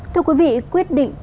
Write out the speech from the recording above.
thưa quý vị quyết định